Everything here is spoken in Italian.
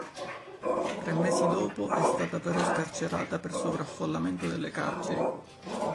Tre mesi dopo è stata però scarcerata per sovraffollamento delle carceri.